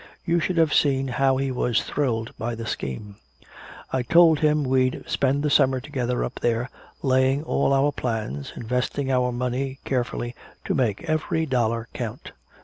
You should have seen how he was thrilled by the scheme. I told him we'd spend the summer together up there laying all our plans, investing our money carefully to make every dollar count."